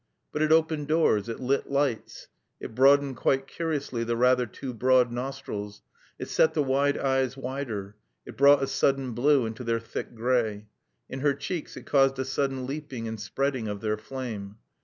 But it opened doors; it lit lights. It broadened quite curiously the rather too broad nostrils; it set the wide eyes wider; it brought a sudden blue into their thick gray. In her cheeks it caused a sudden leaping and spreading of their flame.